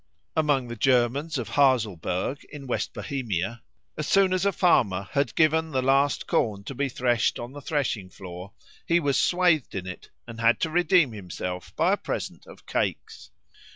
Among the Germans of Haselberg, in West Bohemia, as soon as a farmer had given the last corn to be threshed on the threshing floor, he was swathed in it and had to redeem himself by a present of cakes.